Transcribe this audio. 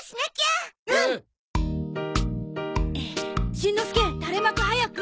しんのすけ垂れ幕早く！